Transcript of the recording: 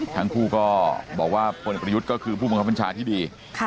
ทั้งคู่ก็บอกว่าพลเอกประยุทธ์ก็คือผู้บังคับบัญชาที่ดี